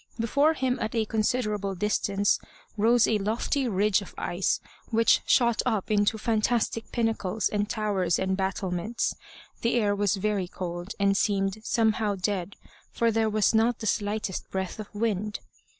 Before him, at a considerable distance, rose a lofty ridge of ice, which shot up into fantastic pinnacles and towers and battlements. The air was very cold, and seemed somehow dead, for there was not the slightest breath of wind.